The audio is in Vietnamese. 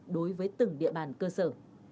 đối với từng địa bàn cơ sở